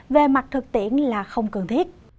về mặt thực tiễn là không cần thiết